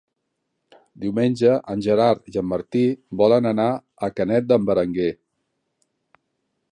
Diumenge en Gerard i en Martí volen anar a Canet d'en Berenguer.